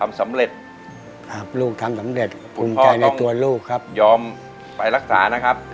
มาเลยครับ